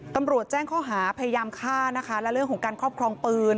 ตำรวจแจ้งข้อหาพยายามฆ่านะคะและเรื่องของการครอบครองปืน